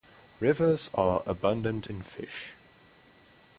Rivers are abundant in fish.